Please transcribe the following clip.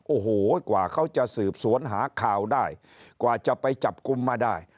โอ้โหกว่าเขาจะสืบสวนหาข่าวได้กว่าจะไปจับกลุ่มมาได้